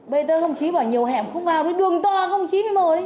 bệnh viện không trí vào nhiều hẻm không phải